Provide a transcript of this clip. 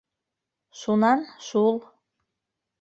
— Шунан шул.